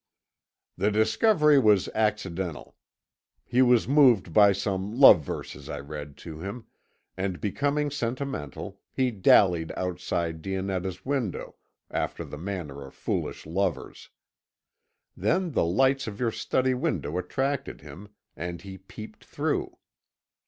"The discovery was accidental. He was moved by some love verses I read to him, and becoming sentimental, he dallied outside Dionetta's window, after the manner of foolish lovers. Then the lights of your study window attracted him, and he peeped through.